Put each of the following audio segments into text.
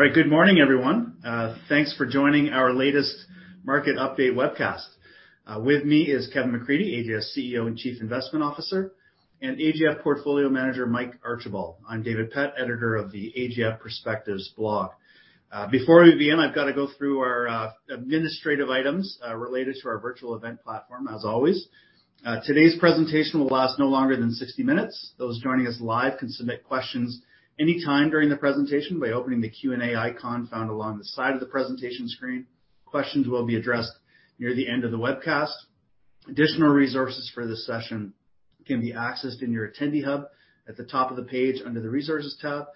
All right. Good morning, everyone. Thanks for joining our latest market update webcast. With me is Kevin McCreadie, AGF CEO and Chief Investment Officer, and AGF Portfolio Manager, Mike Archibald. I'm David Pett, editor of the AGF Perspectives blog. Before we begin, I've gotta go through our administrative items related to our virtual event platform, as always. Today's presentation will last no longer than 60 minutes. Those joining us live can submit questions any time during the presentation by opening the Q&A icon found along the side of the presentation screen. Questions will be addressed near the end of the webcast. Additional resources for this session can be accessed in your Attendee Hub at the top of the page under the Resources tab.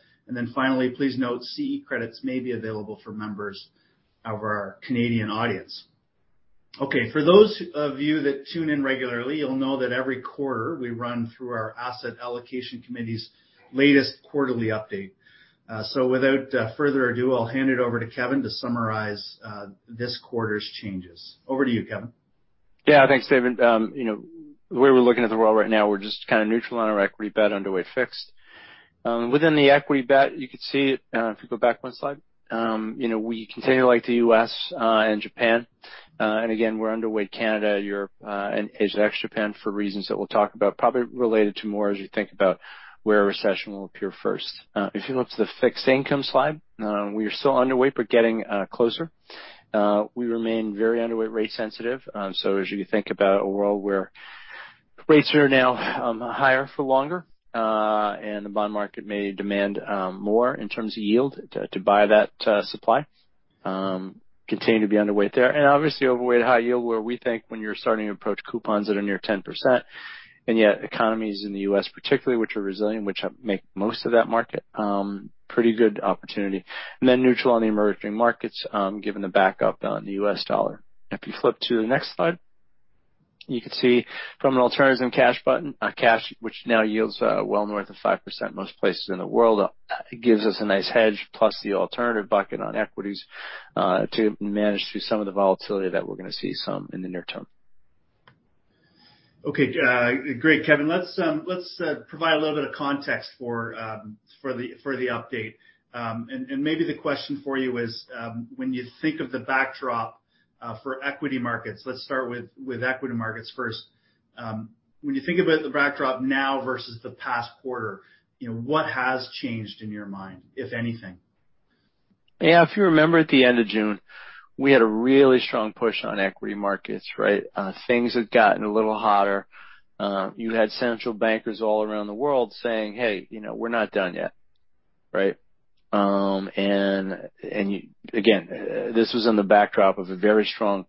Finally, please note, CE credits may be available for members of our Canadian audience. Okay. For those of you that tune in regularly, you'll know that every quarter we run through our asset allocation committee's latest quarterly update. Without further ado, I'll hand it over to Kevin to summarize this quarter's changes. Over to you, Kevin. Yeah. Thanks, David. You know, the way we're looking at the world right now, we're just kinda neutral on our equity bet, underweight fixed. Within the equity bet, you could see, if you go back one slide, you know, we continue to like the U.S. and Japan. Again, we're underweight Canada, Europe, and Asia ex Japan for reasons that we'll talk about, probably related to more as you think about where a recession will appear first. If you look to the fixed income slide, we are still underweight, but getting closer. We remain very underweight rate sensitive, so as you think about a world where rates are now higher for longer, and the bond market may demand more in terms of yield to buy that supply, continue to be underweight there. Obviously overweight high yield, where we think when you're starting to approach coupons that are near 10%, and yet economies in the U.S. particularly, which are resilient, which make most of that market, pretty good opportunity. Then neutral on the emerging markets, given the backup on the U.S. dollar. You flip to the next slide, you can see from an alternatives and cash button, cash, which now yields, well north of 5% most places in the world, gives us a nice hedge, plus the alternative bucket on equities, to manage through some of the volatility that we're gonna see some in the near term. Okay. Great, Kevin. Let's provide a little bit of context for the update. Maybe the question for you is, when you think of the backdrop, for equity markets, let's start with equity markets first. When you think about the backdrop now versus the past quarter, you know, what has changed in your mind, if anything? Yeah. If you remember at the end of June, we had a really strong push on equity markets, right? Things had gotten a little hotter. You had central bankers all around the world saying, hey, you know, we're not done yet. Right? Again, this was in the backdrop of a very strong,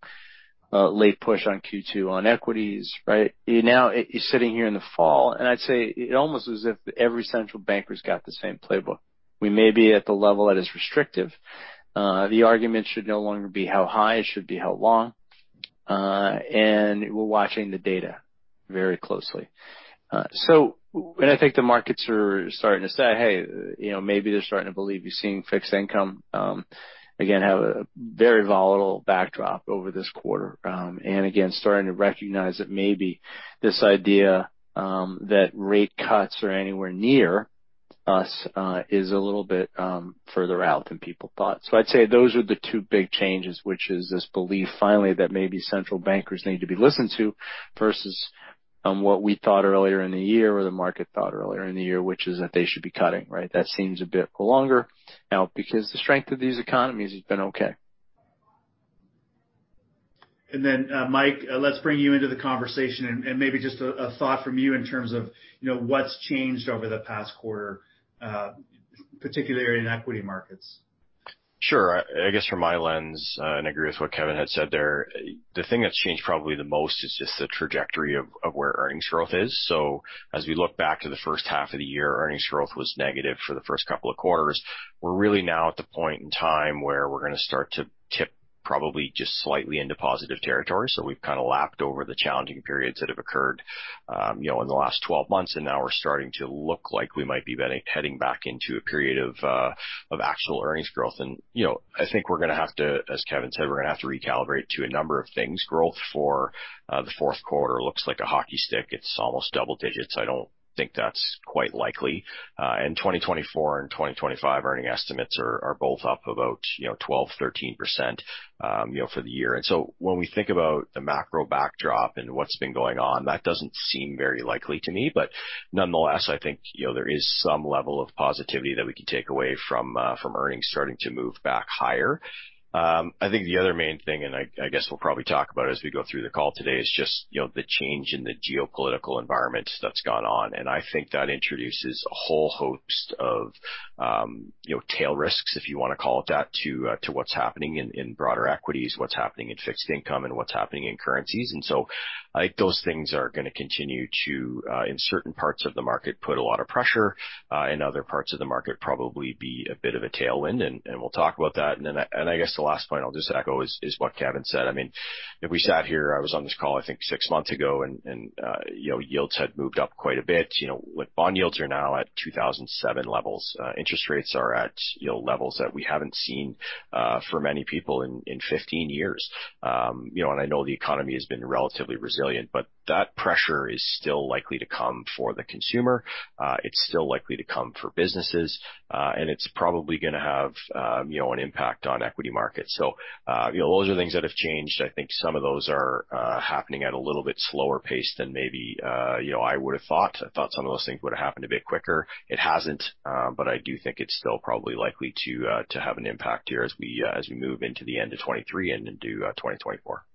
late push on Q2 on equities, right? You're sitting here in the fall, and I'd say it's almost as if every central banker's got the same playbook. We may be at the level that is restrictive. The argument should no longer be how high, it should be how long. We're watching the data very closely. I think the markets are starting to say, hey, you know, maybe they're starting to believe you're seeing fixed income, again, have a very volatile backdrop over this quarter. Again, starting to recognize that maybe this idea that rate cuts are anywhere near us is a little bit further out than people thought. I'd say those are the two big changes, which is this belief finally that maybe central bankers need to be listened to versus what we thought earlier in the year, or the market thought earlier in the year, which is that they should be cutting, right? That seems a bit longer now because the strength of these economies has been okay. Mike, let's bring you into the conversation and maybe just a thought from you in terms of, you know, what's changed over the past quarter, particularly in equity markets? Sure. I guess from my lens, and I agree with what Kevin had said there, the thing that's changed probably the most is just the trajectory of where earnings growth is. As we look back to the H1 of the year, earnings growth was negative for the first couple of quarters. We're really now at the point in time where we're gonna start to tip probably just slightly into positive territory. We've kinda lapped over the challenging periods that have occurred, you know, in the last 12 months, and now we're starting to look like we might be heading back into a period of actual earnings growth. You know, I think we're gonna have to, as Kevin said, we're gonna have to recalibrate to a number of things. Growth for the fourth quarter looks like a hockey stick. It's almost double digits. I don't think that's quite likely. 2024 and 2025 earning estimates are both up about, you know, 12%, 13%, you know, for the year. When we think about the macro backdrop and what's been going on, that doesn't seem very likely to me. Nonetheless, I think, you know, there is some level of positivity that we can take away from earnings starting to move back higher. I think the other main thing, and I guess we'll probably talk about as we go through the call today, is just, you know, the change in the geopolitical environment that's gone on. I think that introduces a whole host of, you know, tail risks, if you wanna call it that, to what's happening in broader equities, what's happening in fixed income, and what's happening in currencies. I think those things are gonna continue to in certain parts of the market, put a lot of pressure, in other parts of the market, probably be a bit of a tailwind, and we'll talk about that. I guess the last point I'll just echo is what Kevin said. I mean, if we sat here, I was on this call, I think 6 months ago, and, you know, yields had moved up quite a bit. You know, with bond yields are now at 2007 levels, interest rates are at, you know, levels that we haven't seen for many people in 15 years. You know, I know the economy has been relatively resilient, but that pressure is still likely to come for the consumer. It's still likely to come for businesses. It's probably gonna have, you know, an impact on equity markets. You know, those are things that have changed. I think some of those are happening at a little bit slower pace than maybe, you know, I would've thought. I thought some of those things would've happened a bit quicker. It hasn't, but I do think it's still probably likely to have an impact here as we move into the end of 2023 and into 2024.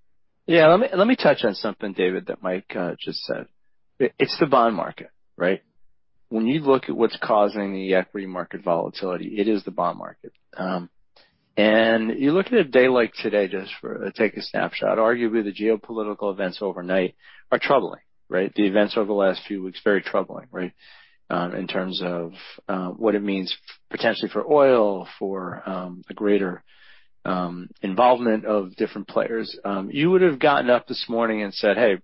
Yeah. Let me touch on something, David, that Mike just said. It's the bond market, right? When you look at what's causing the equity market volatility, it is the bond market. You look at a day like today, just take a snapshot. Arguably, the geopolitical events overnight are troubling, right? The events over the last few weeks, very troubling, right? In terms of what it means potentially for oil, for a greater involvement of different players. You would have gotten up this morning and said, hey,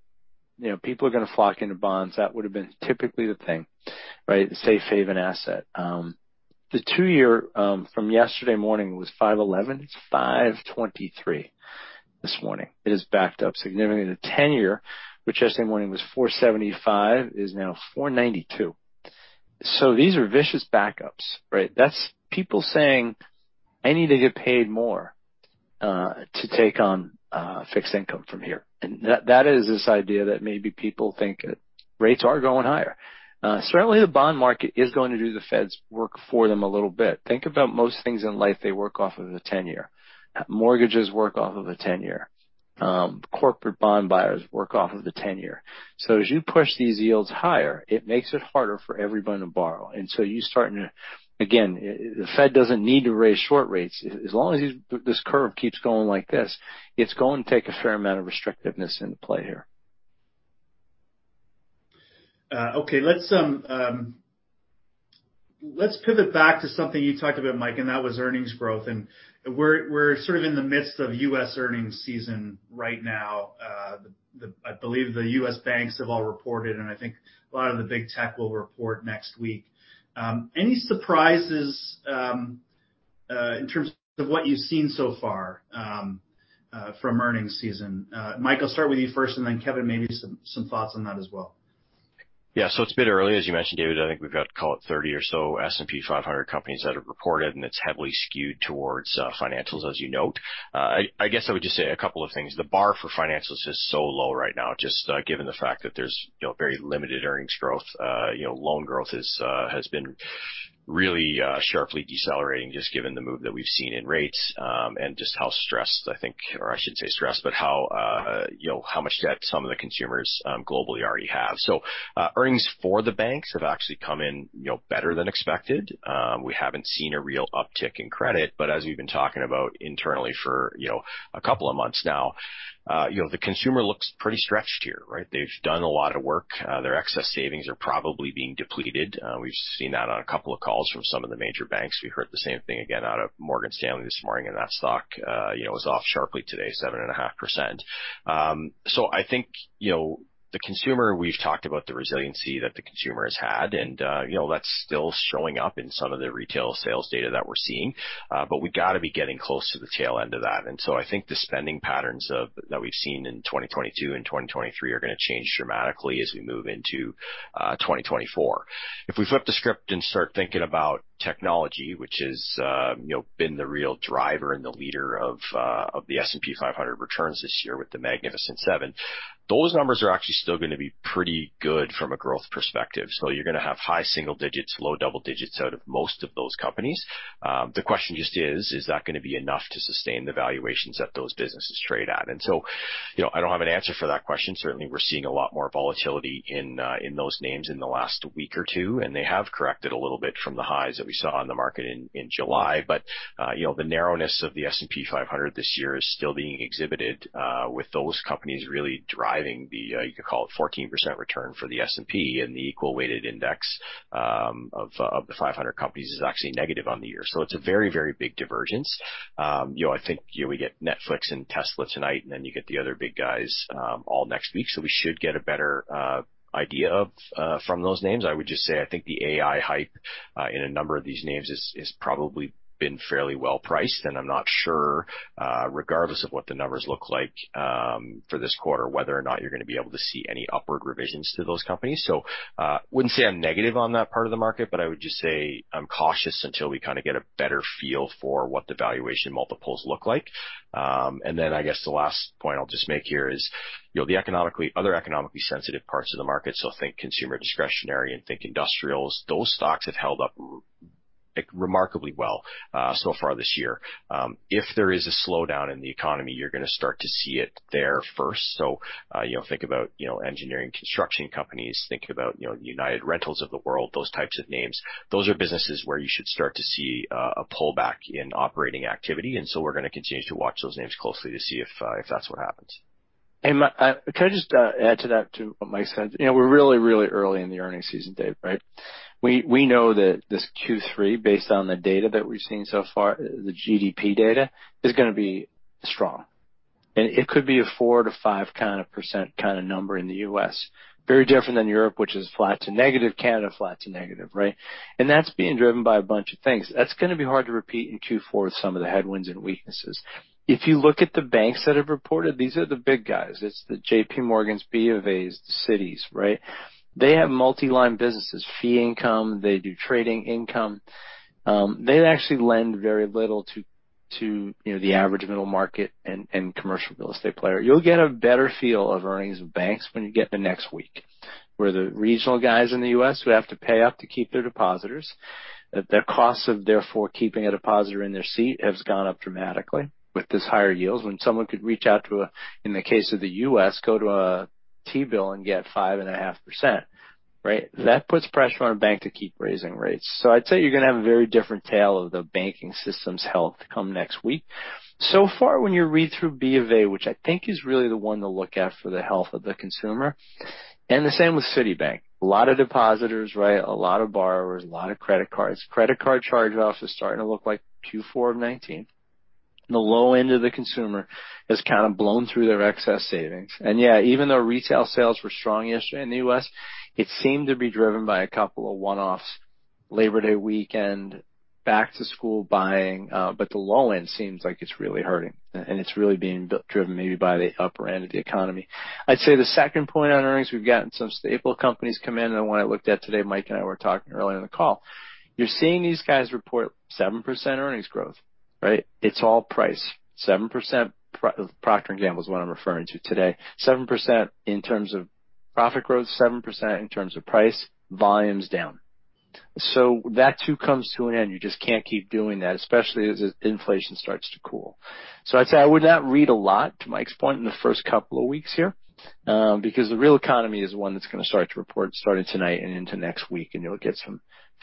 you know, people are gonna flock into bonds. That would have been typically the thing, right? The safe haven asset. The two-year from yesterday morning was 5.11. It's 5.23 this morning. It has backed up significantly. The 10-year, which yesterday morning was 4.75, is now 4.92. These are vicious backups, right? That's people saying, i need to get paid more, to take on fixed income from here. That, that is this idea that maybe people think rates are going higher. Certainly the bond market is going to do the Fed's work for them a little bit. Think about most things in life, they work off of the ten-year. Mortgages work off of the ten-year. Corporate bond buyers work off of the ten-year. As you push these yields higher, it makes it harder for everyone to borrow. Again, the Fed doesn't need to raise short rates. As long as this curve keeps going like this, it's going to take a fair amount of restrictiveness into play here. Okay, let's pivot back to something you talked about, Mike, and that was earnings growth. We're sort of in the midst of U.S. earnings season right now. I believe the U.S. banks have all reported, and I think a lot of the big tech will report next week. Any surprises in terms of what you've seen so far from earnings season? Mike, I'll start with you first, and then Kevin, maybe some thoughts on that as well. Yeah. It's a bit early, as you mentioned, David. I think we've got, call it, 30 or so S&P 500 companies that have reported, and it's heavily skewed towards financials, as you note. I guess I would just say a couple of things. The bar for financials is so low right now, just given the fact that there's, you know, very limited earnings growth. You know, loan growth is has been really sharply decelerating, just given the move that we've seen in rates, and just how stressed I think, or I shouldn't say stressed, but how, you know, how much debt some of the consumers globally already have. Earnings for the banks have actually come in, you know, better than expected. We haven't seen a real uptick in credit, as we've been talking about internally for, you know, two months now, you know, the consumer looks pretty stretched here, right? They've done a lot of work. Their excess savings are probably being depleted. We've seen that on two calls from some of the major banks. We heard the same thing again out of Morgan Stanley this morning, that stock, you know, was off sharply today, 7.5%. I think, you know, the consumer, we've talked about the resiliency that the consumer has had, you know, that's still showing up in some of the retail sales data that we're seeing. We've gotta be getting close to the tail end of that. I think the spending patterns of that we've seen in 2022 and 2023 are gonna change dramatically as we move into 2024. If we flip the script and start thinking about technology, which has, you know, been the real driver and the leader of the S&P 500 returns this year with the Magnificent Seven, those numbers are actually still gonna be pretty good from a growth perspective. You're gonna have high single digits, low double digits out of most of those companies. The question just is that gonna be enough to sustain the valuations that those businesses trade at? You know, I don't have an answer for that question. Certainly, we're seeing a lot more volatility in those names in the last week or two, and they have corrected a little bit from the highs that we saw on the market in July. you know, the narrowness of the S&P 500 this year is still being exhibited with those companies really driving the, you could call it 14% return for the S&P, and the equal-weight index of the 500 companies is actually negative on the year. It's a very, very big divergence. you know, I think, we get Netflix and Tesla tonight, and then you get the other big guys all next week, so we should get a better idea from those names. I would just say, I think the AI hype in a number of these names is probably been fairly well priced, and I'm not sure, regardless of what the numbers look like for this quarter, whether or not you're gonna be able to see any upward revisions to those companies. Wouldn't say I'm negative on that part of the market, but I would just say I'm cautious until we kinda get a better feel for what the valuation multiples look like. I guess the last point I'll just make here is, you know, the other economically sensitive parts of the market, so think consumer discretionary and think industrials, those stocks have held up remarkably well so far this year. If there is a slowdown in the economy, you're gonna start to see it there first. You know, think about, you know, engineering, construction companies. Think about, you know, United Rentals of the world, those types of names. Those are businesses where you should start to see a pullback in operating activity. We're gonna continue to watch those names closely to see if that's what happens. Can I just add to that too, what Mike said? You know, we're really early in the earnings season, Dave, right? We know that this Q3, based on the data that we've seen so far, the GDP data, is gonna be strong. It could be a 4-5% kinda number in the U.S. Very different than Europe, which is flat to negative. Canada, flat to negative, right? That's being driven by a bunch of things. That's gonna be hard to repeat in Q4 with some of the headwinds and weaknesses. If you look at the banks that have reported, these are the big guys. It's the JPMorgan's, B of A's, the Citis, right? They have multi-line businesses, fee income, they do trading income. They actually lend very little to, you know, the average middle market and commercial real estate player. You'll get a better feel of earnings of banks when you get to next week, where the regional guys in the U.S. who have to pay up to keep their depositors, that their costs of therefore keeping a depositor in their seat has gone up dramatically with this higher yields. When someone could reach out to, in the case of the U.S., go to a T-bill and get 5.5%, right? That puts pressure on a bank to keep raising rates. I'd say you're gonna have a very different tale of the banking system's health come next week. When you read through B of A, which I think is really the one to look at for the health of the consumer, and the same with Citibank. A lot of depositors, right, a lot of borrowers, a lot of credit cards. Credit card charge-offs is starting to look like Q4 of 2019. The low end of the consumer has kinda blown through their excess savings. Yeah, even though retail sales were strong yesterday in the U.S., it seemed to be driven by a couple of one-offs, Labor Day weekend, back-to-school buying, but the low end seems like it's really hurting. It's really being driven maybe by the upper end of the economy. I'd say the second point on earnings, we've gotten some staple companies come in, and when I looked at today, Mike and I were talking earlier in the call. You're seeing these guys report 7% earnings growth, right? It's all price. 7% Procter & Gamble is the one I'm referring to today. 7% in terms of profit growth, 7% in terms of price. Volume's down. That too comes to an end. You just can't keep doing that, especially as inflation starts to cool. I'd say I would not read a lot, to Mike's point, in the first couple of weeks here, because the real economy is the one that's gonna start to report starting tonight and into next week, and you'll get some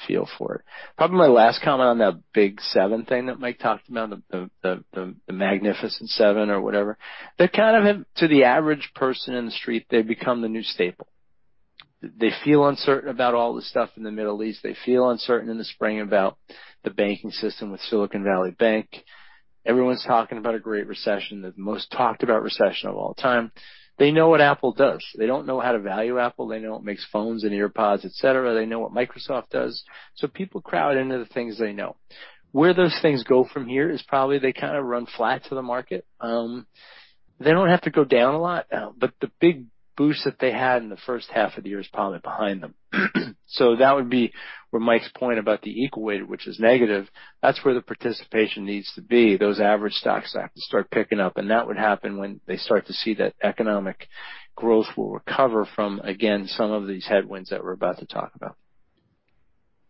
feel for it. Probably my last comment on that big 7 thing that Mike talked about, the Magnificent Seven or whatever. They kind of have. To the average person in the street, they've become the new staple. They feel uncertain about all the stuff in the Middle East. They feel uncertain in the spring about the banking system with Silicon Valley Bank. Everyone's talking about a great recession, the most talked about recession of all time. They know what Apple does. They don't know how to value Apple. They know it makes phones and AirPods, et cetera. They know what Microsoft does. People crowd into the things they know. Where those things go from here is probably they kinda run flat to the market. They don't have to go down a lot, but the big boost that they had in the H1 of the year is probably behind them. That would be where Mike's point about the equal weight, which is negative, that's where the participation needs to be. Those average stocks have to start picking up, and that would happen when they start to see that economic growth will recover from, again, some of these headwinds that we're about to talk about.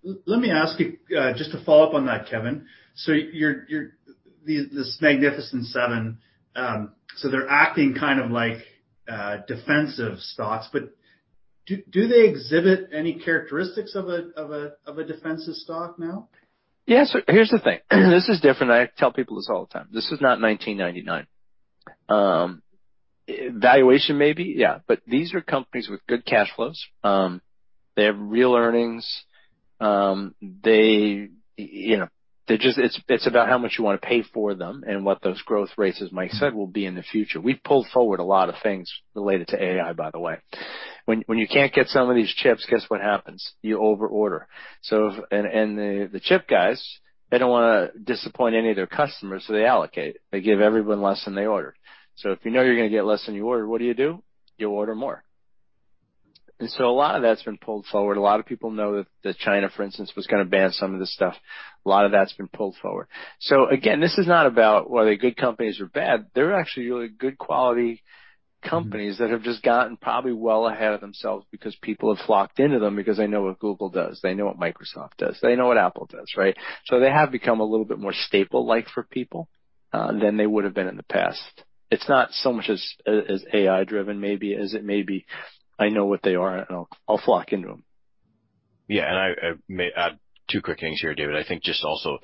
Let me ask you, just to follow up on that, Kevin. Your these, this Magnificent Seven, they're acting kind of like defensive stocks, do they exhibit any characteristics of a defensive stock now? Yeah, here's the thing. This is different. I tell people this all the time. This is not 1999. Valuation maybe, yeah, but these are companies with good cash flows. They have real earnings. They, you know, It's about how much you wanna pay for them and what those growth rates, as Mike said, will be in the future. We've pulled forward a lot of things related to AI, by the way. When you can't get some of these chips, guess what happens? You over-order. The chip guys, they don't wanna disappoint any of their customers, so they allocate. They give everyone less than they ordered. If you know you're gonna get less than you ordered, what do you do? You order more. A lot of that's been pulled forward. A lot of people know that China, for instance, was gonna ban some of this stuff. A lot of that's been pulled forward. Again, this is not about whether they're good companies or bad. They're actually really good quality companies that have just gotten probably well ahead of themselves because people have flocked into them because they know what Google does, they know what Microsoft does, they know what Apple does, right? They have become a little bit more staple-like for people than they would've been in the past. It's not so much as AI-driven maybe as it may be, I know what they are and I'll flock into them. Yeah, I may add two quick things here, David. I think just also,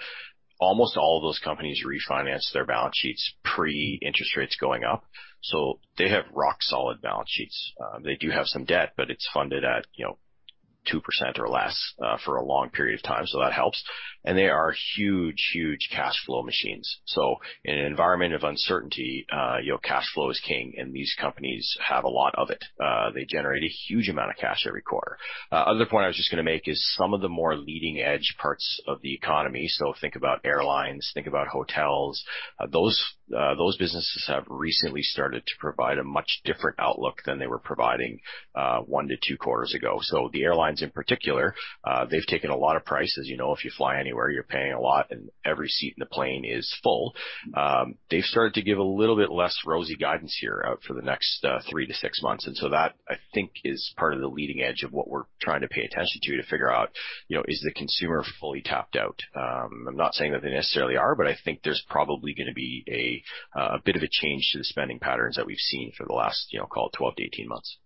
almost all of those companies refinanced their balance sheets pre interest rates going up, so they have rock solid balance sheets. They do have some debt, but it's funded at, you know, 2% or less, for a long period of time, so that helps. They are huge, huge cash flow machines. In an environment of uncertainty, you know, cash flow is king, and these companies have a lot of it. They generate a huge amount of cash every quarter. Other point I was just gonna make is some of the more leading edge parts of the economy, so think about airlines, think about hotels, those businesses have recently started to provide a much different outlook than they were providing one to two quarters ago. The airlines in particular, they've taken a lot of prices. You know, if you fly anywhere, you're paying a lot, and every seat in the plane is full. They've started to give a little bit less rosy guidance here out for the next three to six months. That, I think, is part of the leading edge of what we're trying to pay attention to figure out, you know, is the consumer fully tapped out? I'm not saying that they necessarily are, but I think there's probably gonna be a bit of a change to the spending patterns that we've seen for the last, you know, call it 12 to 18 months.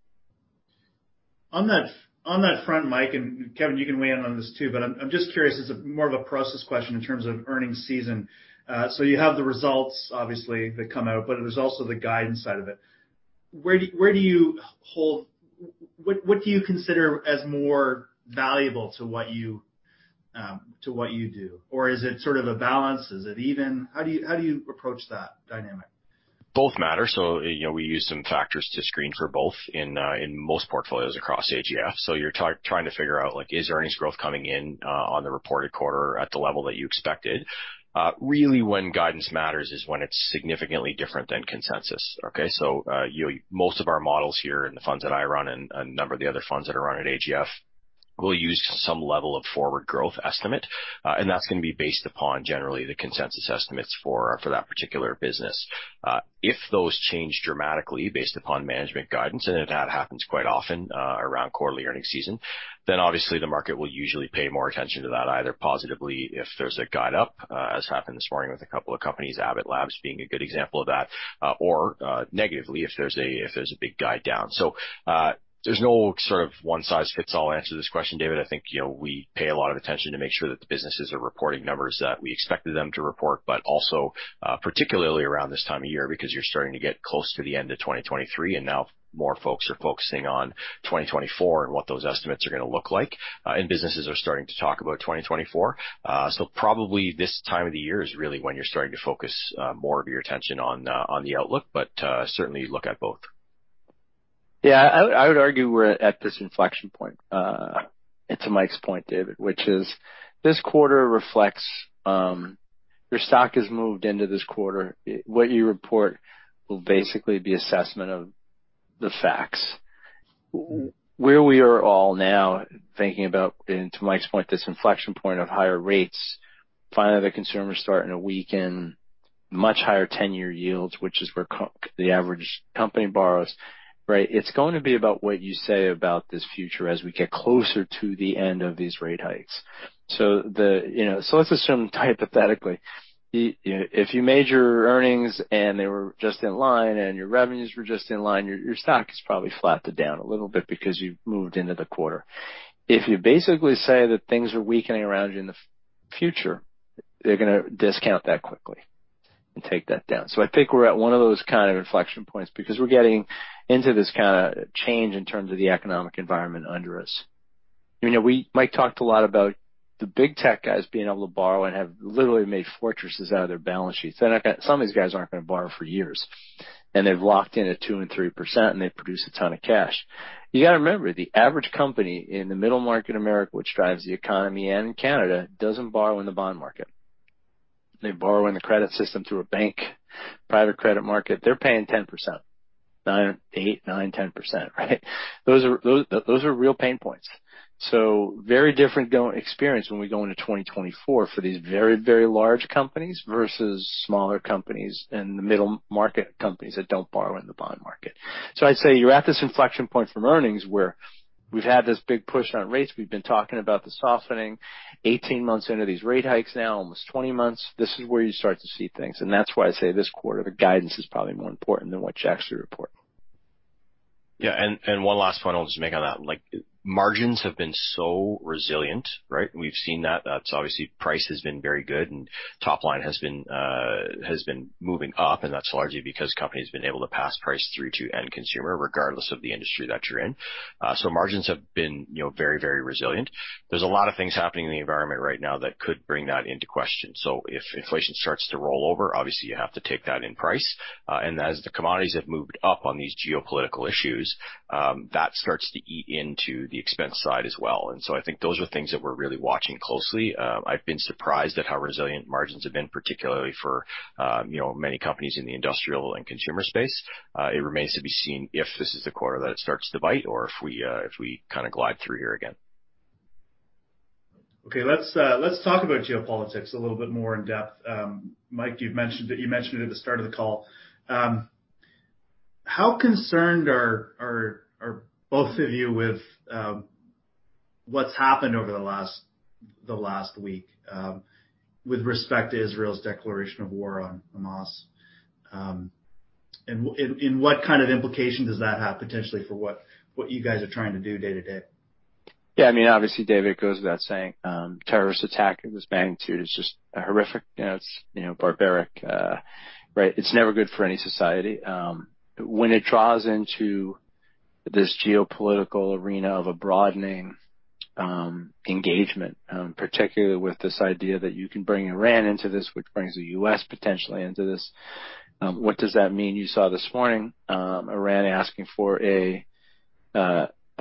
On that front, Mike and Kevin, you can weigh in on this too, but I'm just curious. It's a more of a process question in terms of earnings season. You have the results obviously that come out, but there's also the guidance side of it. Where do you hold, what do you consider as more valuable to what you do? Or is it sort of a balance? Is it even? How do you approach that dynamic? Both matter. You know, we use some factors to screen for both in most portfolios across AGF. You're trying to figure out, like, is earnings growth coming in on the reported quarter at the level that you expected? Really when guidance matters is when it's significantly different than consensus, okay? Most of our models here in the funds that I run and a number of the other funds that are run at AGF. We'll use some level of forward growth estimate, and that's gonna be based upon generally the consensus estimates for that particular business. If those change dramatically based upon management guidance, and that happens quite often, around quarterly earnings season, then obviously the market will usually pay more attention to that, either positively if there's a guide up, as happened this morning with a couple of companies, Abbott Laboratories being a good example of that, or negatively if there's a big guide down. There's no sort of one-size-fits-all answer to this question, David. I think, you know, we pay a lot of attention to make sure that the businesses are reporting numbers that we expected them to report, but also, particularly around this time of year because you're starting to get close to the end of 2023. Now more folks are focusing on 2024 and what those estimates are gonna look like. Businesses are starting to talk about 2024. Probably this time of the year is really when you're starting to focus, more of your attention on the outlook, but certainly look at both. Yeah. I would argue we're at this inflection point, and to Mike's point, David, which is this quarter reflects, your stock has moved into this quarter. What you report will basically be assessment of the facts. Where we are all now thinking about, and to Mike's point, this inflection point of higher rates, finally, the consumer is starting to weaken much higher ten-year yields, which is where the average company borrows, right? It's going to be about what you say about this future as we get closer to the end of these rate hikes. The, you know, let's assume hypothetically, you know, if you made your earnings and they were just in line and your revenues were just in line, your stock is probably flattened down a little bit because you've moved into the quarter. If you basically say that things are weakening around you in the future, they're gonna discount that quickly and take that down. I think we're at one of those kind of inflection points because we're getting into this kinda change in terms of the economic environment under us. You know, Mike talked a lot about the big tech guys being able to borrow and have literally made fortresses out of their balance sheets. Some of these guys aren't gonna borrow for years, and they've locked in at 2% and 3%, and they produce a ton of cash. You gotta remember, the average company in the middle market America, which drives the economy and Canada, doesn't borrow in the bond market. They borrow in the credit system through a bank, Private Credit market. They're paying 10%. 8%-10%, right? Those are real pain points. Very different go-experience when we go into 2024 for these very, very large companies versus smaller companies and the middle market companies that don't borrow in the bond market. I'd say you're at this inflection point from earnings where we've had this big push on rates. We've been talking about the softening 18 months into these rate hikes now, almost 20 months. This is where you start to see things, and that's why I say this quarter, the guidance is probably more important than what you actually report. One last point I'll just make on that. Like margins have been so resilient, right? We've seen that. That's obviously price has been very good and top line has been moving up, and that's largely because companies have been able to pass price through to end consumer regardless of the industry that you're in. Margins have been, you know, very, very resilient. There's a lot of things happening in the environment right now that could bring that into question. If inflation starts to roll over, obviously you have to take that in price. As the commodities have moved up on these geopolitical issues, that starts to eat into the expense side as well. I think those are things that we're really watching closely. I've been surprised at how resilient margins have been, particularly for, you know, many companies in the industrial and consumer space. It remains to be seen if this is the quarter that it starts to bite or if we kinda glide through here again. Let's talk about geopolitics a little bit more in depth. Mike, you mentioned it at the start of the call. How concerned are both of you with what's happened over the last week with respect to Israel's declaration of war on Hamas? And what kind of implication does that have potentially for what you guys are trying to do day to day? Yeah. I mean, obviously, David, it goes without saying, terrorist attack of this magnitude is just horrific. You know, it's, you know, barbaric. Right. It's never good for any society. When it draws into this geopolitical arena of a broadening engagement, particularly with this idea that you can bring Iran into this, which brings the U.S. potentially into this, what does that mean? You saw this morning, Iran asking for a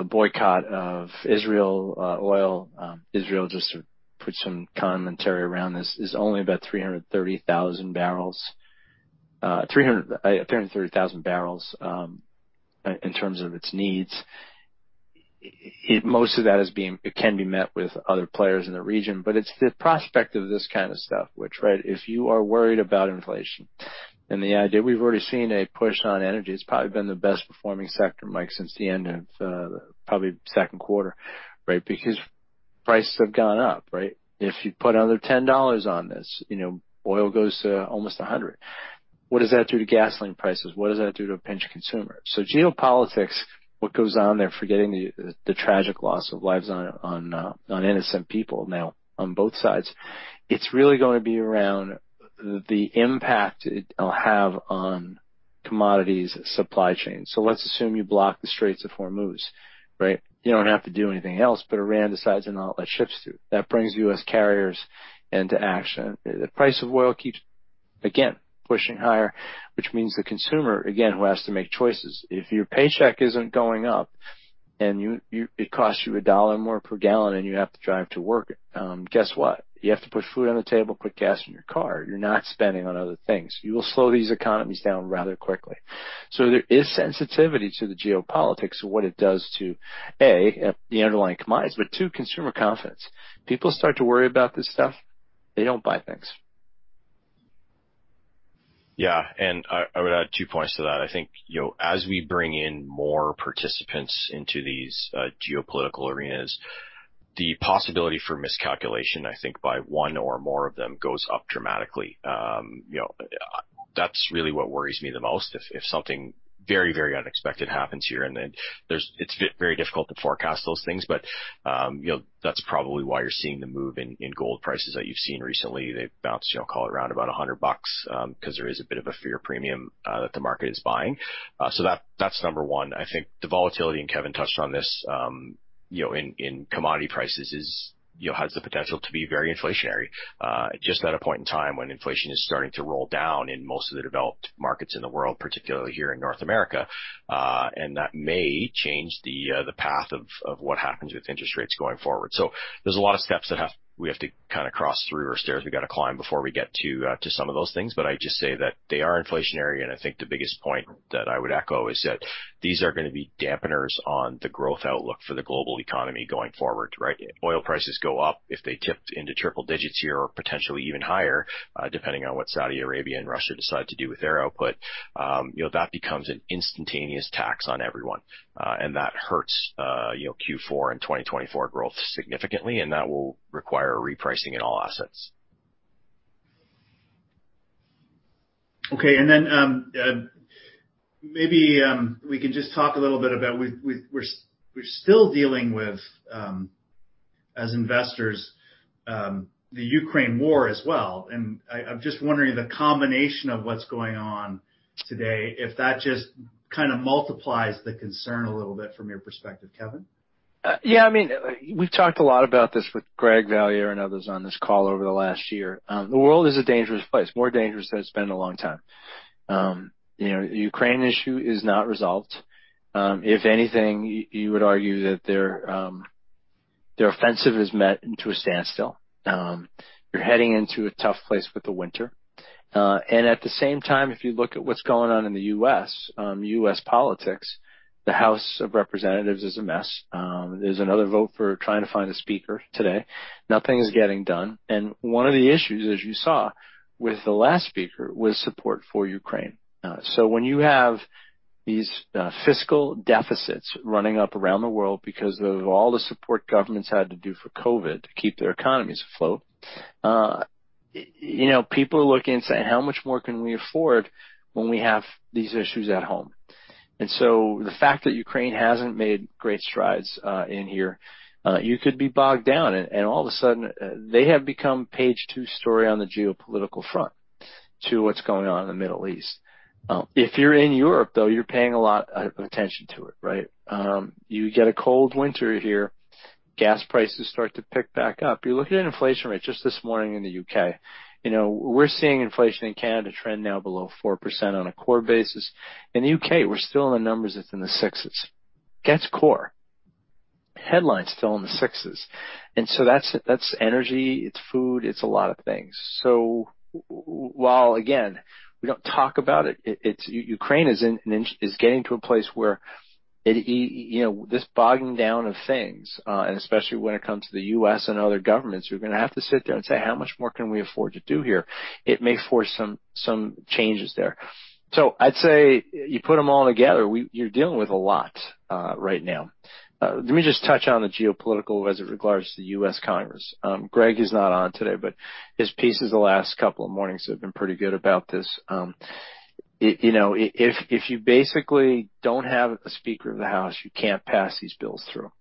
boycott of Israel oil. Israel, just to put some commentary around this, is only about 330,000 barrels, 330,000 barrels in terms of its needs. It can be met with other players in the region. It's the prospect of this kind of stuff which, right, if you are worried about inflation and the idea we've already seen a push on energy, it's probably been the best performing sector, Mike, since the end of, probably second quarter, right? Because prices have gone up, right? If you put another $10 on this, you know, oil goes to almost $100. What does that do to gasoline prices? What does that do to a pinch consumer? Geopolitics, what goes on there, forgetting the tragic loss of lives on innocent people now on both sides, it's really gonna be around the impact it'll have on commodities supply chain. Let's assume you block the Strait of Hormuz, right? You don't have to do anything else, but Iran decides to not let ships through. That brings U.S. carriers into action. The price of oil keeps, again, pushing higher, which means the consumer, again, who has to make choices. If your paycheck isn't going up and it costs you $1 more per gallon and you have to drive to work, guess what? You have to put food on the table, put gas in your car. You're not spending on other things. You will slow these economies down rather quickly. There is sensitivity to the geopolitics and what it does to, A, the underlying commodities, but two, consumer confidence. People start to worry about this stuff, they don't buy things. I would add two points to that. I think, you know, as we bring in more participants into these geopolitical arenas, the possibility for miscalculation, I think by one or more of them goes up dramatically. That's really what worries me the most. If something very, very unexpected happens here, then it's very difficult to forecast those things. You know, that's probably why you're seeing the move in gold prices that you've seen recently. They've bounced, you know, call it around about $100, 'cause there is a bit of a fear premium that the market is buying. That's number one. I think the volatility, and Kevin touched on this, you know, in commodity prices is, you know, has the potential to be very inflationary, just at a point in time when inflation is starting to roll down in most of the developed markets in the world, particularly here in North America. That may change the path of what happens with interest rates going forward. There's a lot of steps we have to kinda cross through or stairs we've gotta climb before we get to some of those things. I'd just say that they are inflationary, and I think the biggest point that I would echo is that these are gonna be dampeners on the growth outlook for the global economy going forward, right? Oil prices go up, if they tipped into triple digits here or potentially even higher, depending on what Saudi Arabia and Russia decide to do with their output, you know, that becomes an instantaneous tax on everyone. That hurts, you know, Q4 and 2024 growth significantly, and that will require repricing in all assets. Okay. Then, maybe, we could just talk a little bit about we're still dealing with, as investors, the Ukraine War as well. I'm just wondering the combination of what's going on today, if that just kinda multiplies the concern a little bit from your perspective, Kevin? Yeah, I mean, we've talked a lot about this with Greg Valliere and others on this call over the last year. The world is a dangerous place, more dangerous than it's been in a long time. You know, Ukraine issue is not resolved. If anything, you would argue that their offensive has met into a standstill. You're heading into a tough place with the winter. At the same time, if you look at what's going on in the U.S., U.S. politics, the House of Representatives is a mess. There's another vote for trying to find a speaker today. Nothing is getting done. One of the issues, as you saw with the last speaker, was support for Ukraine. When you have these, fiscal deficits running up around the world because of all the support governments had to do for COVID to keep their economies afloat, you know, people are looking and saying, how much more can we afford when we have these issues at home? The fact that Ukraine hasn't made great strides, in here, you could be bogged down, and all of a sudden, they have become page two story on the geopolitical front to what's going on in the Middle East. If you're in Europe, though, you're paying a lot, attention to it, right? You get a cold winter here, gas prices start to pick back up. You're looking at inflation rates just this morning in the U.K. You know, we're seeing inflation in Canada trend now below 4% on a core basis. In the U.K., we're still in the numbers that's in the 6s. That's core. Headline's still in the 6s. That's, that's energy, it's food, it's a lot of things. While again, we don't talk about it's Ukraine is in is getting to a place where it, you know, this bogging down of things, and especially when it comes to the U.S. and other governments, we're gonna have to sit there and say, how much more can we afford to do here? It may force some changes there. I'd say you put them all together, you're dealing with a lot right now. Let me just touch on the geopolitical as it regards to the US Congress. Greg is not on today, but his pieces the last couple of mornings have been pretty good about this. You know, if you basically don't have a Speaker of the House, you can't pass these bills through.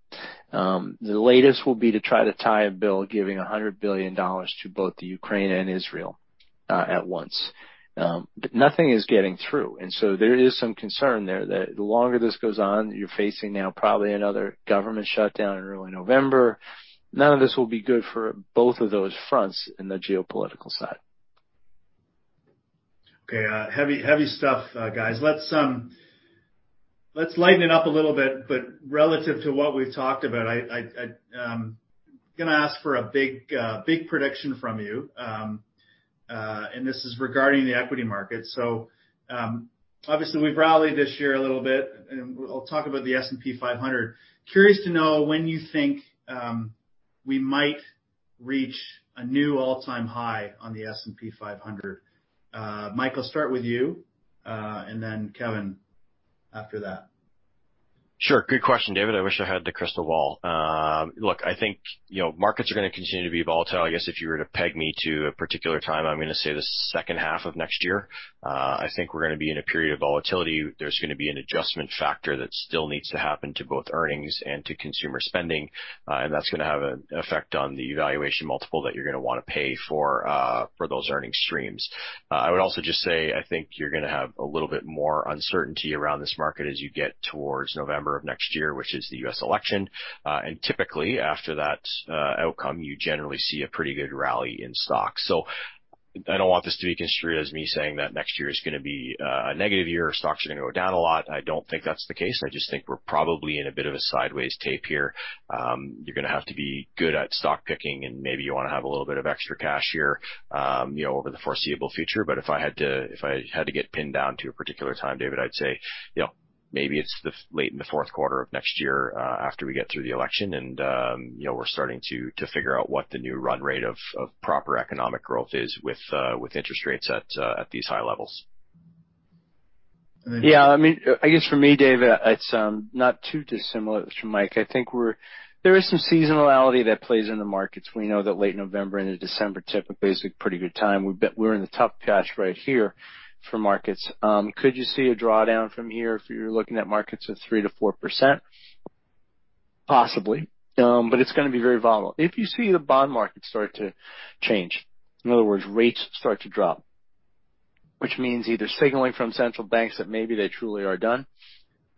The latest will be to try to tie a bill giving $100 billion to both the Ukraine and Israel at once. Nothing is getting through. There is some concern there that the longer this goes on, you're facing now probably another government shutdown in early November. None of this will be good for both of those fronts in the geopolitical side. Okay. heavy stuff, guys. Let's lighten it up a little bit, but relative to what we've talked about, I, I, gonna ask for a big, big prediction from you, and this is regarding the equity market. Obviously we've rallied this year a little bit, and I'll talk about the S&P 500. Curious to know when you think we might reach a new all-time high on the S&P 500. Mike, I'll start with you, and then Kevin after that. Sure. Good question, David. I wish I had the crystal ball. I think, you know, markets are gonna continue to be volatile. I guess if you were to peg me to a particular time, I'm gonna say the H2 of next year. I think we're gonna be in a period of volatility. There's gonna be an adjustment factor that still needs to happen to both earnings and to consumer spending, and that's gonna have an effect on the valuation multiple that you're gonna wanna pay for those earning streams. I would also just say, I think you're gonna have a little bit more uncertainty around this market as you get towards November of next year, which is the U.S. election. Typically after that, outcome, you generally see a pretty good rally in stocks. I don't want this to be construed as me saying that next year is gonna be a negative year, or stocks are gonna go down a lot. I don't think that's the case. I just think we're probably in a bit of a sideways tape here. You're gonna have to be good at stock picking, and maybe you wanna have a little bit of extra cash here, you know, over the foreseeable future. If I had to get pinned down to a particular time, David, I'd say, you know. Maybe it's late in the fourth quarter of next year, after we get through the election and, you know, we're starting to figure out what the new run rate of proper economic growth is with interest rates at these high levels. I mean, I guess for me, David, it's not too dissimilar from Mike. I think there is some seasonality that plays in the markets. We know that late November into December typically is a pretty good time. We're in the tough patch right here for markets. Could you see a drawdown from here if you're looking at markets of 3%-4%? Possibly. It's gonna be very volatile. If you see the bond market start to change, in other words, rates start to drop, which means either signaling from central banks that maybe they truly are done.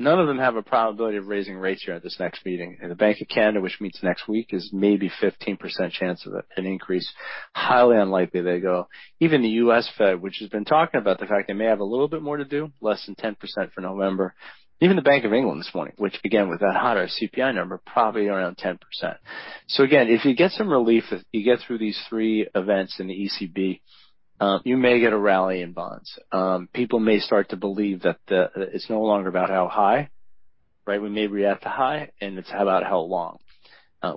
None of them have a probability of raising rates here at this next meeting. The Bank of Canada, which meets next week, is maybe 15% chance of an increase. Highly unlikely they go. Even the U.S. Fed, which has been talking about the fact they may have a little bit more to do, less than 10% for November. Even the Bank of England this morning, which began with that hotter CPI number, probably around 10%. Again, if you get some relief, if you get through these three events in the ECB, you may get a rally in bonds. People may start to believe that the, it's no longer about how high, right? We may react to high, and it's about how long,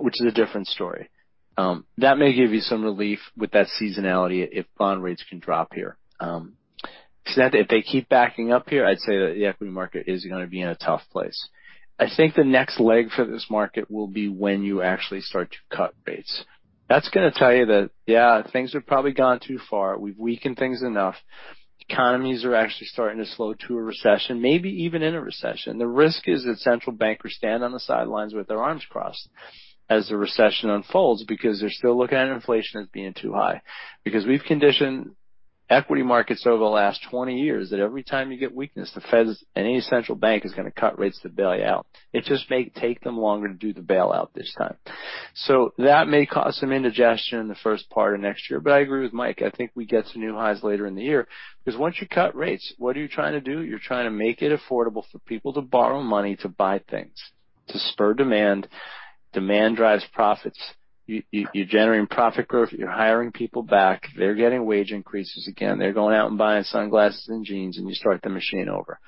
which is a different story. That may give you some relief with that seasonality if bond rates can drop here. So that if they keep backing up here, I'd say that the equity market is gonna be in a tough place. I think the next leg for this market will be when you actually start to cut rates. That's gonna tell you that, yeah, things have probably gone too far. We've weakened things enough. Economies are actually starting to slow to a recession, maybe even in a recession. The risk is that central bankers stand on the sidelines with their arms crossed as the recession unfolds because they're still looking at inflation as being too high. Because we've conditioned equity markets over the last 20 years that every time you get weakness, the Feds and any central bank is gonna cut rates to bail you out. It just may take them longer to do the bailout this time. That may cause some indigestion in the first part of next year. I agree with Mike. I think we get some new highs later in the year, because once you cut rates, what are you trying to do? You're trying to make it affordable for people to borrow money to buy things, to spur demand. Demand drives profits. You're generating profit growth. You're hiring people back. They're getting wage increases again. They're going out and buying sunglasses and jeans, and you start the machine over.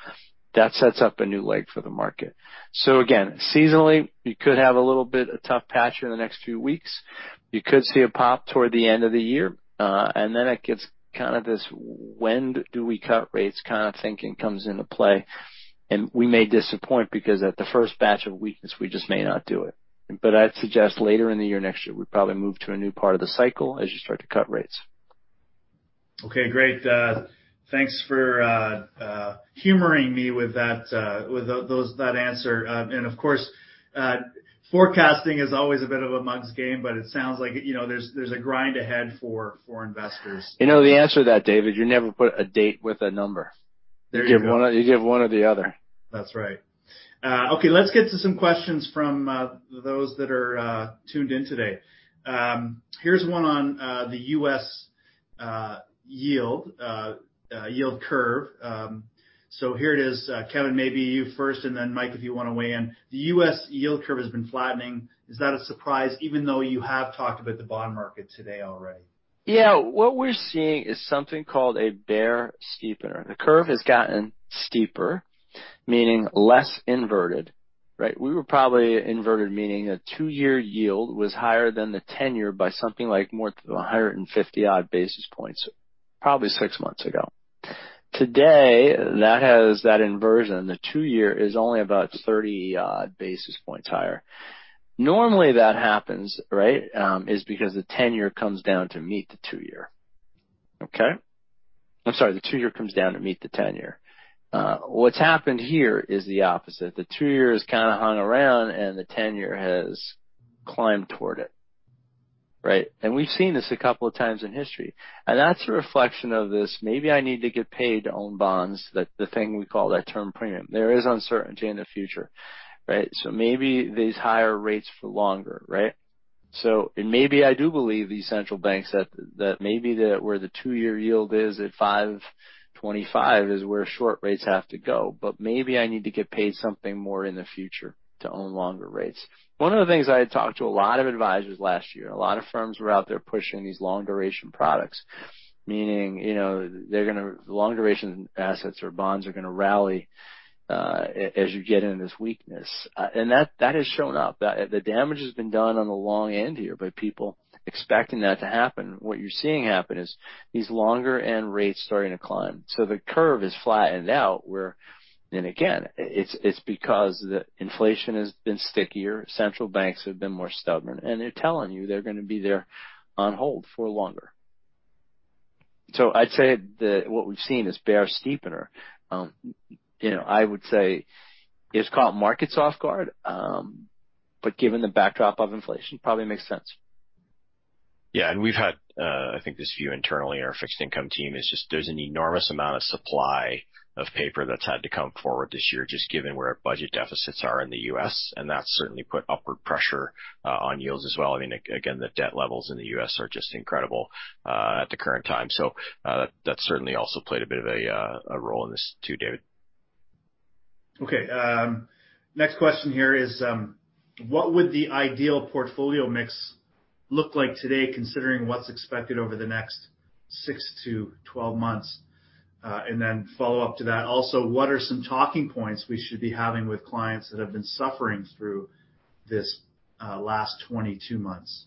That sets up a new leg for the market. Again, seasonally, you could have a little bit of tough patch in the next few weeks. You could see a pop toward the end of the year, and then it gets kind of this, when do we cut rates kind of thinking comes into play. We may disappoint because at the first batch of weakness, we just may not do it. I'd suggest later in the year, next year, we probably move to a new part of the cycle as you start to cut rates. Okay, great. Thanks for humoring me with that answer. Of course, forecasting is always a bit of a mug's game, but it sounds like, you know, there's a grind ahead for investors. You know the answer to that, David. You never put a date with a number. There you go. You give one or the other. That's right. Okay, let's get to some questions from those that are tuned in today. Here's one on the U.S. yield curve. Here it is. Kevin, maybe you first, and then Mike, if you wanna weigh in. The U.S. yield curve has been flattening. Is that a surprise, even though you have talked about the bond market today already? Yeah. What we're seeing is something called a bear steepener. The curve has gotten steeper, meaning less inverted, right? We were probably inverted, meaning a two-year yield was higher than the 10-year by something like more than 150 odd basis points, probably six months ago. Today, that has that inversion. The two-year is only about 30 odd basis points higher. Normally, that happens, right, is because the 10-year comes down to meet the two-year. Okay? I'm sorry. The two-year comes down to meet the 10-year. What's happened here is the opposite. The two-year has kinda hung around and the 10-year has climbed toward it, right? We've seen this a couple of times in history. That's a reflection of this, maybe I need to get paid to own bonds, that the thing we call that term premium. There is uncertainty in the future, right? Maybe these higher rates for longer, right? Maybe I do believe these central banks that maybe where the two-year yield is at 5.25% is where short rates have to go. Maybe I need to get paid something more in the future to own longer rates. One of the things I had talked to a lot of advisors last year, a lot of firms were out there pushing these long-duration products, meaning, you know, they're gonna long-duration assets or bonds are gonna rally as you get into this weakness. That has shown up. The damage has been done on the long end here by people expecting that to happen. What you're seeing happen is these longer end rates starting to climb. The curve is flattened out where... Again, it's because the inflation has been stickier, central banks have been more stubborn, and they're telling you they're gonna be there on hold for longer. I'd say that what we've seen is bear steepener. you know, I would say it's caught markets off guard, but given the backdrop of inflation, probably makes sense. Yeah. We've had, I think this view internally in our fixed income team is just there's an enormous amount of supply of paper that's had to come forward this year, just given where our budget deficits are in the U.S., and that's certainly put upward pressure on yields as well. I mean, again, the debt levels in the U.S. are just incredible at the current time. That certainly also played a bit of a role in this too, David. Okay. Next question here is, what would the ideal portfolio mix look like today considering what's expected over the next six to 12 months. Then follow up to that also, what are some talking points we should be having with clients that have been suffering through this, last 22 months?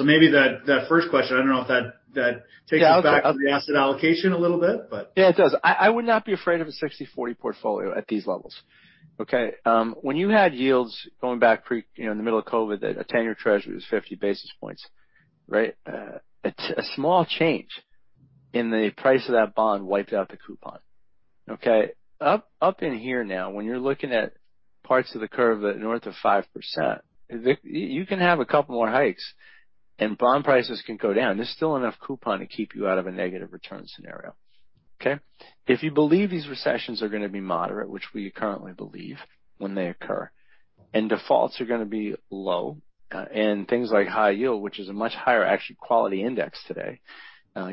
Maybe that first question, I don't know if that takes us back to the asset allocation a little bit, but. Yeah, it does. I would not be afraid of a 60/40 portfolio at these levels, okay? When you had yields going back you know, in the middle of COVID, that a 10-year Treasury was 50 basis points, right? A small change in the price of that bond wiped out the coupon. Okay? Up in here now, when you're looking at parts of the curve north of 5%, you can have a couple more hikes and bond prices can go down. There's still enough coupon to keep you out of a negative return scenario. Okay? If you believe these recessions are gonna be moderate, which we currently believe when they occur, and defaults are gonna be low, and things like high yield, which is a much higher actually quality index today,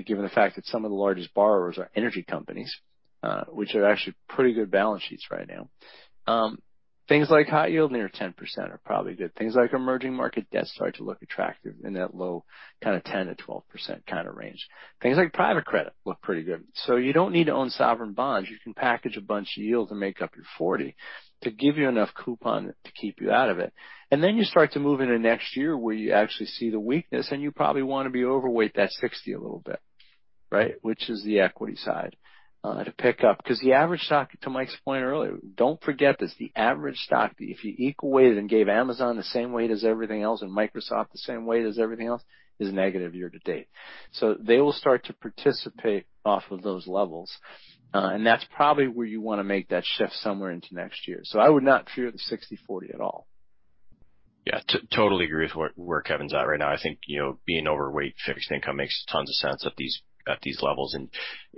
given the fact that some of the largest borrowers are energy companies, which are actually pretty good balance sheets right now. Things like high yield near 10% are probably good. Things like emerging market debt start to look attractive in that low kind of 10%-12% kinda range. Things like private credit look pretty good. You don't need to own sovereign bonds. You can package a bunch of yields and make up your 40 to give you enough coupon to keep you out of it. You start to move into next year where you actually see the weakness, and you probably wanna be overweight that 60 a little bit, right? Which is the equity side to pick up. The average stock, to Mike's point earlier, don't forget this, the average stock, if you equal weighted and gave Amazon the same weight as everything else and Microsoft the same weight as everything else, is negative year to date. They will start to participate off of those levels, and that's probably where you wanna make that shift somewhere into next year. I would not fear the 60/40 at all. Yeah. Totally agree with where Kevin's at right now. I think, you know, being overweight fixed income makes tons of sense at these levels.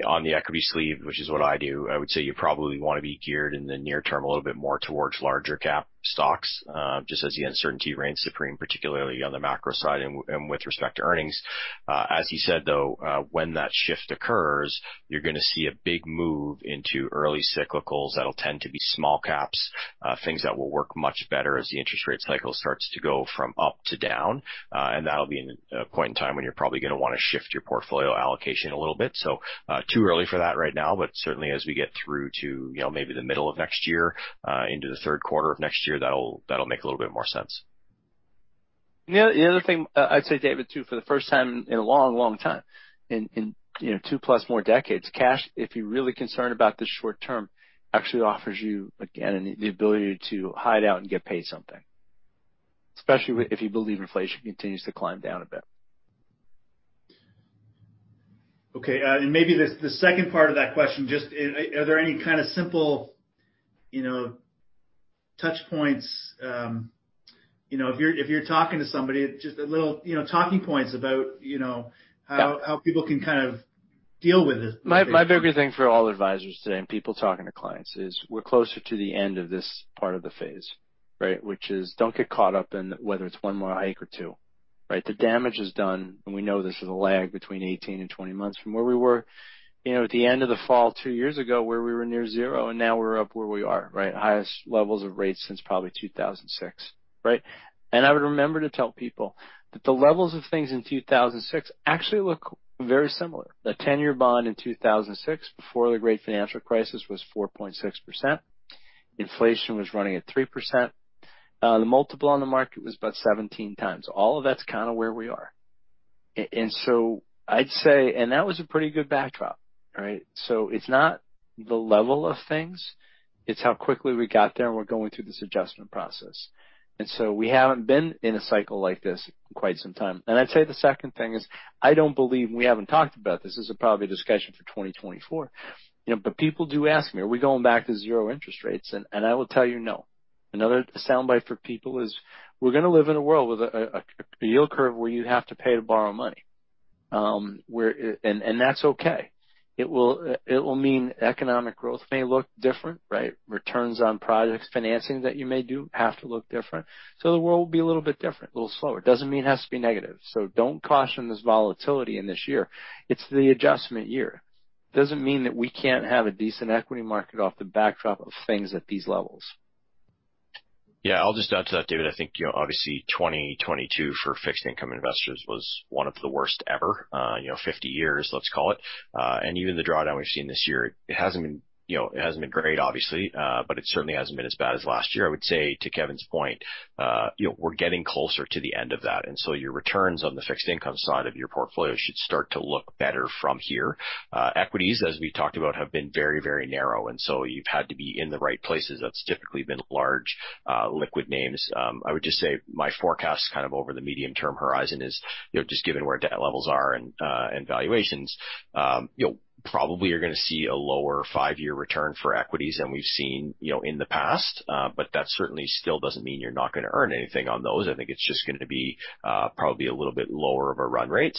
On the equity sleeve, which is what I do, I would say you probably wanna be geared in the near term a little bit more towards larger cap stocks, just as the uncertainty reigns supreme, particularly on the macro side and with respect to earnings. As you said, though, when that shift occurs, you're gonna see a big move into early cyclicals that'll tend to be small caps, things that will work much better as the interest rate cycle starts to go from up to down. That'll be in a point in time when you're probably gonna wanna shift your portfolio allocation a little bit. Too early for that right now, but certainly as we get through to, you know, maybe the middle of next year, into the third quarter of next year, that'll make a little bit more sense. The other thing I'd say, David, too, for the first time in a long, long time, in, you know, 2+ more decades, cash, if you're really concerned about the short term, actually offers you, again, the ability to hide out and get paid something, especially if you believe inflation continues to climb down a bit. Okay, maybe the second part of that question, just are there any kind of simple, you know, touch points, you know, if you're talking to somebody, just a little, you know, talking points about, you know Yeah. How people can kind of deal with it. My bigger thing for all advisors today and people talking to clients is we're closer to the end of this part of the phase, right? Which is don't get caught up in whether it's one more hike or two, right? The damage is done, and we know there's a lag between 18 and 20 months from where we were, you know, at the end of the fall two years ago, where we were near zero, and now we're up where we are, right? Highest levels of rates since probably 2006, right? I would remember to tell people that the levels of things in 2006 actually look very similar. The 10-year bond in 2006 before the Great Financial Crisis was 4.6%. Inflation was running at 3%. The multiple on the market was about 17 times. All of that's kind of where we are. I'd say. That was a pretty good backdrop, right? It's not the level of things, it's how quickly we got there, and we're going through this adjustment process. We haven't been in a cycle like this in quite some time. I'd say the second thing is, I don't believe, and we haven't talked about this is probably a discussion for 2024, you know, but people do ask me, are we going back to zero interest rates? I will tell you no. Another soundbite for people is we're gonna live in a world with a yield curve where you have to pay to borrow money, that's okay. It will mean economic growth may look different, right? Returns on projects, financing that you may do have to look different. The world will be a little bit different, a little slower. Doesn't mean it has to be negative. Don't caution this volatility in this year. It's the adjustment year. Doesn't mean that we can't have a decent equity market off the backdrop of things at these levels. I'll just add to that, David. I think, you know, obviously 2022 for fixed income investors was one of the worst ever, you know, 50 years, let's call it. Even the drawdown we've seen this year, it hasn't been, you know, it hasn't been great obviously, but it certainly hasn't been as bad as last year. I would say to Kevin's point, you know, we're getting closer to the end of that, your returns on the fixed income side of your portfolio should start to look better from here. Equities, as we talked about, have been very, very narrow, you've had to be in the right places. That's typically been large, liquid names. I would just say my forecast kind of over the medium-term horizon is, you know, just given where debt levels are and valuations, you know, probably you're gonna see a lower five-year return for equities than we've seen, you know, in the past. That certainly still doesn't mean you're not gonna earn anything on those. I think it's just gonna be, probably a little bit lower of a run rate.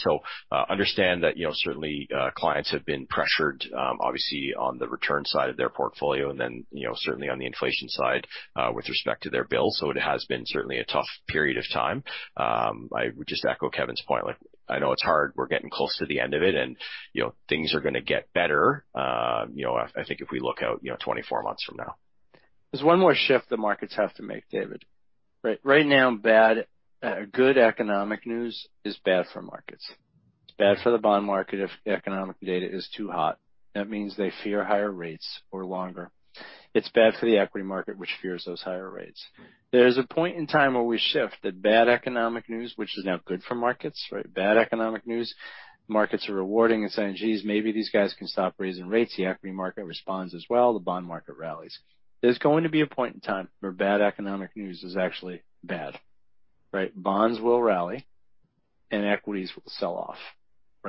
Understand that, you know, certainly, clients have been pressured, obviously on the return side of their portfolio and then, you know, certainly on the inflation side, with respect to their bills. It has been certainly a tough period of time. I would just echo Kevin's point. Like, I know it's hard. We're getting close to the end of it and, you know, things are gonna get better, you know, I think if we look out, you know, 24 months from now. There's one more shift the markets have to make, David, right? Right now, good economic news is bad for markets. It's bad for the bond market if economic data is too hot. That means they fear higher rates or longer. It's bad for the equity market, which fears those higher rates. There's a point in time where we shift that bad economic news, which is now good for markets, right? Bad economic news, markets are rewarding and saying, geez, maybe these guys can stop raising rates. The equity market responds as well. The bond market rallies. There's going to be a point in time where bad economic news is actually bad, right? Bonds will rally and equities will sell off,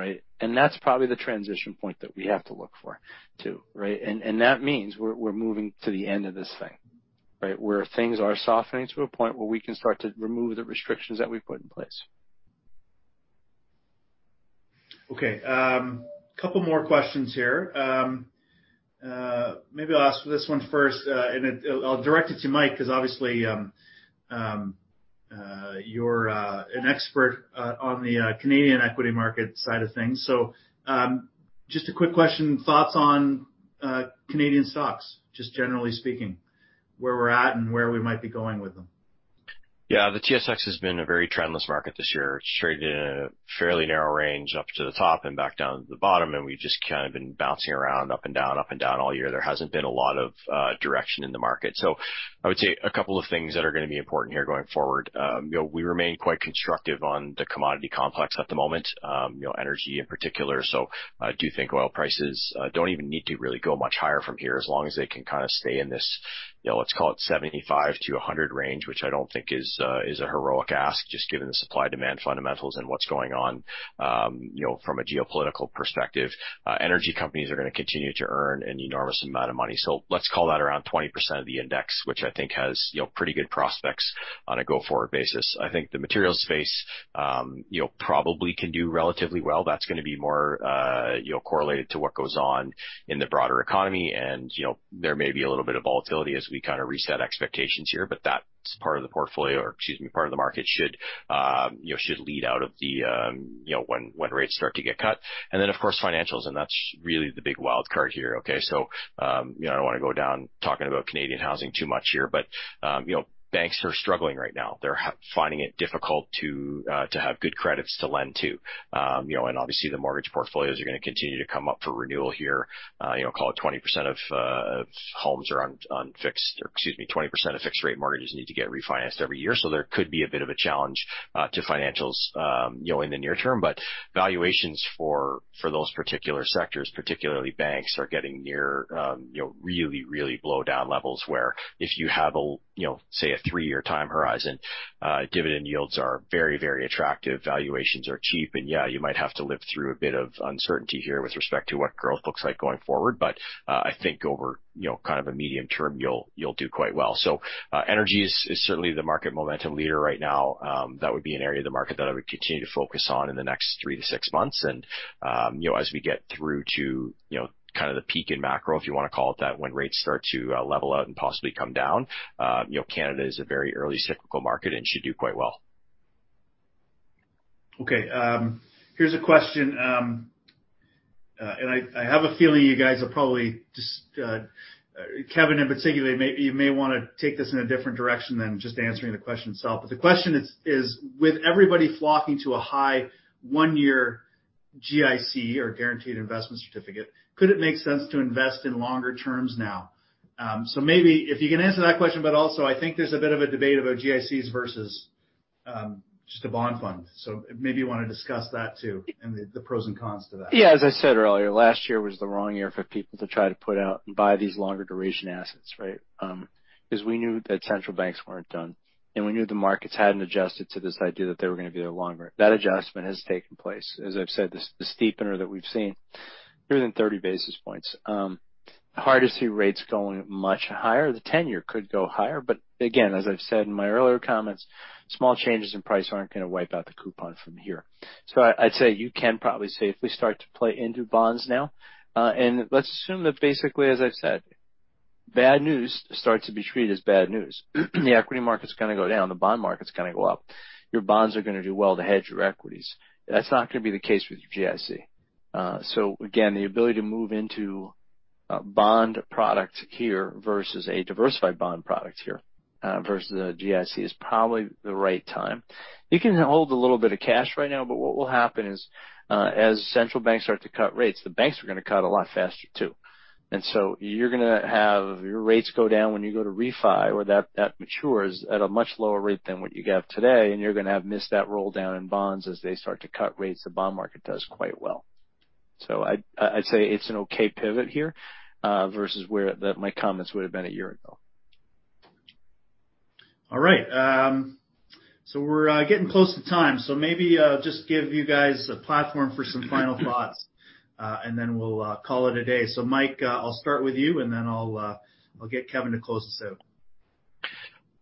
right? That's probably the transition point that we have to look for too, right? That means we're moving to the end of this thing, right? Where things are softening to a point where we can start to remove the restrictions that we've put in place. Okay. Couple more questions here. Maybe I'll ask this one first, I'll direct it to Mike, 'cause obviously, you're an expert on the Canadian equity market side of things. Just a quick question, thoughts on Canadian stocks, just generally speaking, where we're at and where we might be going with them. Yeah. The TSX has been a very trendless market this year. It's traded in a fairly narrow range up to the top and back down to the bottom, and we've just kind of been bouncing around up and down, up and down all year. There hasn't been a lot of direction in the market. I would say a couple of things that are gonna be important here going forward. You know, we remain quite constructive on the commodity complex at the moment, you know, energy in particular. I do think oil prices don't even need to really go much higher from here, as long as they can kinda stay in this, you know, let's call it $75-$100 range, which I don't think is a heroic ask, just given the supply-demand fundamentals and what's going on, you know, from a geopolitical perspective. Energy companies are gonna continue to earn an enormous amount of money. Let's call that around 20% of the index, which I think has, you know, pretty good prospects on a go-forward basis. I think the materials space, you know, probably can do relatively well. That's gonna be more, you know, correlated to what goes on in the broader economy. You know, there may be a little bit of volatility as we kind of reset expectations here, but that's part of the portfolio or, excuse me, part of the market should, you know, should lead out of the, you know, when rates start to get cut. Then, of course, financials, and that's really the big wild card here, okay? You know, I don't wanna go down talking about Canadian housing too much here, but, you know, banks are struggling right now. They're finding it difficult to have good credits to lend to. You know, and obviously the mortgage portfolios are gonna continue to come up for renewal here. You know, call it 20% of homes are on or excuse me, 20% of fixed rate mortgages need to get refinanced every year, so there could be a bit of a challenge to financials, you know, in the near term. Valuations for those particular sectors, particularly banks, are getting near, you know, really blow-down levels, where if you have a you know, say, a three-year time horizon, dividend yields are very, very attractive. Valuations are cheap. Yeah, you might have to live through a bit of uncertainty here with respect to what growth looks like going forward, but I think over, you know, kind of a medium term, you'll do quite well. Energy is certainly the market momentum leader right now. That would be an area of the market that I would continue to focus on in the next three to six months. You know, as we get through to, you know, kind of the peak in macro, if you wanna call it that, when rates start to level out and possibly come down, you know, Canada is a very early cyclical market and should do quite well. Okay, here's a question. I have a feeling you guys will probably just Kevin in particular, you may wanna take this in a different direction than just answering the question itself. The question is, with everybody flocking to a high one-year GIC or guaranteed investment certificate, could it make sense to invest in longer terms now? Maybe if you can answer that question, but also I think there's a bit of a debate about GICs versus just a bond fund. Maybe you wanna discuss that too, and the pros and cons to that. Yeah. As I said earlier, last year was the wrong year for people to try to put out and buy these longer duration assets, right? 'Cause we knew that central banks weren't done, and we knew the markets hadn't adjusted to this idea that they were gonna be there longer. That adjustment has taken place. As I've said, the steepener that we've seen, other than 30 basis points, hard to see rates going much higher. The tenure could go higher, but again, as I've said in my earlier comments, small changes in price aren't gonna wipe out the coupon from here. I'd say you can probably safely start to play into bonds now. Let's assume that basically, as I've said, bad news starts to be treated as bad news. The equity market's gonna go down, the bond market's gonna go up. Your bonds are gonna do well to hedge your equities. That's not gonna be the case with GIC. Again, the ability to move into a bond product here versus a diversified bond product here, versus a GIC is probably the right time. You can hold a little bit of cash right now, but what will happen is, as central banks start to cut rates, the banks are gonna cut a lot faster too. You're gonna have your rates go down when you go to refi or that matures at a much lower rate than what you have today and you're gonna have missed that roll down in bonds as they start to cut rates, the bond market does quite well. I'd say it's an okay pivot here, versus where my comments would have been a year ago. All right. We're getting close to time, so maybe I'll just give you guys a platform for some final thoughts, and then we'll call it a day. Mike, I'll start with you, and then I'll get Kevin to close this out.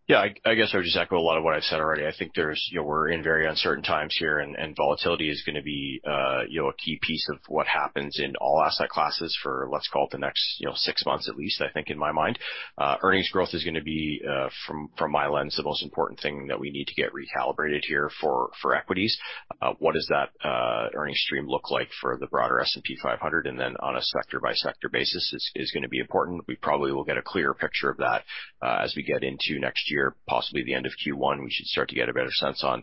Yeah, I guess I would just echo a lot of what I've said already. You know, we're in very uncertain times here, and volatility is gonna be, you know, a key piece of what happens in all asset classes for let's call it the next, you know, six months at least, I think, in my mind. Earnings growth is gonna be, from my lens, the most important thing that we need to get recalibrated here for equities. What does that earnings stream look like for the broader S&P 500 and then on a sector-by-sector basis is gonna be important. We probably will get a clearer picture of that, as we get into next year, possibly the end of Q1, we should start to get a better sense on,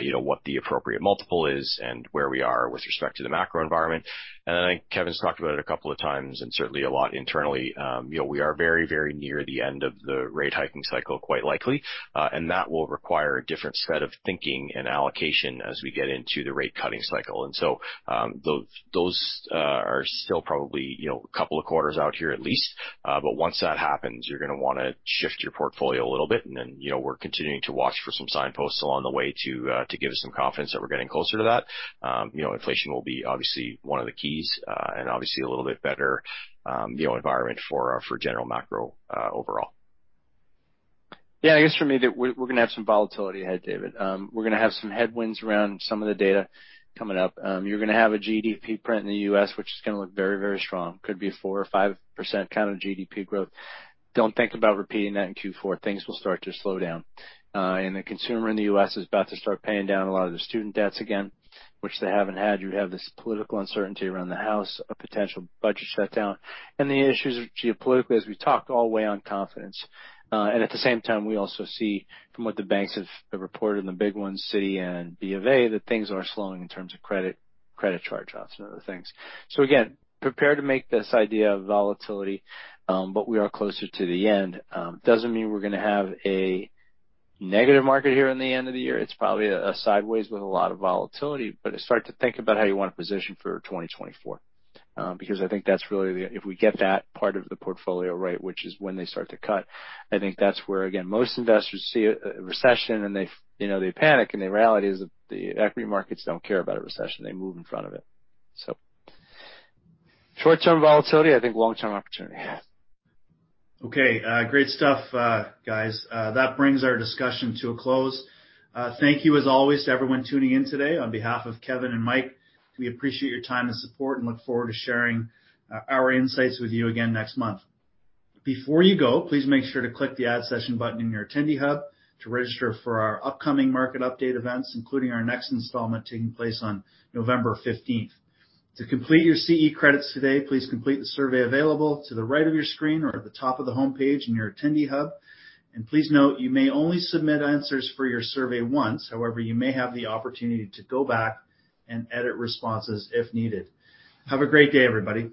you know, what the appropriate multiple is and where we are with respect to the macro environment. I think Kevin's talked about it a couple of times and certainly a lot internally, you know, we are very, very near the end of the rate hiking cycle, quite likely, and that will require a different set of thinking and allocation as we get into the rate cutting cycle. Those are still probably, you know, a couple of quarters out here at least, but once that happens, you're gonna wanna shift your portfolio a little bit. You know, we're continuing to watch for some signposts along the way to give us some confidence that we're getting closer to that. You know, inflation will be obviously one of the keys, and obviously a little bit better, you know, environment for general macro overall. Yeah. I guess for me that we're gonna have some volatility ahead, David. We're gonna have some headwinds around some of the data coming up. You're gonna have a GDP print in the U.S., which is gonna look very, very strong. Could be a 4% or 5% kind of GDP growth. Don't think about repeating that in Q4. Things will start to slow down. The consumer in the U.S. is about to start paying down a lot of their student debts again, which they haven't had. You have this political uncertainty around the House, a potential budget shutdown, and the issues geopolitically, as we've talked, all weigh on confidence. At the same time, we also see from what the banks have reported and the big ones, Citi and B of A, that things are slowing in terms of credit charge-offs and other things. Again, prepare to make this idea of volatility, but we are closer to the end. Doesn't mean we're gonna have a negative market here in the end of the year. It's probably a sideways with a lot of volatility, but start to think about how you wanna position for 2024. I think that's really the, if we get that part of the portfolio right, which is when they start to cut, I think that's where, again, most investors see a recession and they you know, they panic. The reality is that the equity markets don't care about a recession. They move in front of it. Short-term volatility, I think long-term opportunity. Okay. Great stuff, guys. That brings our discussion to a close. Thank you as always to everyone tuning in today. On behalf of Kevin and Mike, we appreciate your time and support and look forward to sharing our insights with you again next month. Before you go, please make sure to click the Add Session button in your Attendee Hub to register for our upcoming market update events, including our next installment taking place on November 15th. To complete your CE credits today, please complete the survey available to the right of your screen or at the top of the homepage in your Attendee Hub. Please note you may only submit answers for your survey once. However, you may have the opportunity to go back and edit responses if needed. Have a great day, everybody.